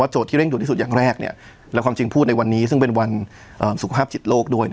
ที่เร่งด่วนที่สุดอย่างแรกและความจริงพูดในวันนี้ซึ่งเป็นวันสุขภาพจิตโลกด้วย